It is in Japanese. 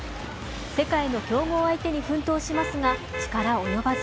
世界の強豪相手に奮闘しますが力及ばず。